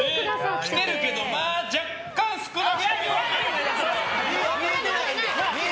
来てるけど、まあ若干少なめ。